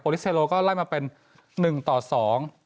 ลิสเทโลก็ไล่มาเป็นหนึ่งต่อสอง